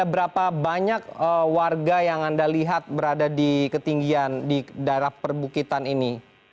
berapa banyak warga yang anda lihat berada di ketinggian di daerah perbukitan ini